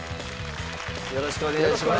よろしくお願いします。